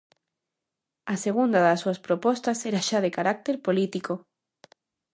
A segunda das súas propostas era xa de carácter político.